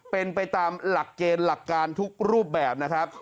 เป็นไปตามหลักเกณฑ์หลักการทุกรูปแบบนะครับ